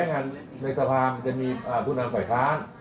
ในสาธารณ์จะมีผู้นำปล่อยท้าน